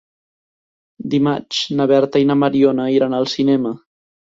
Dimarts na Berta i na Mariona iran al cinema.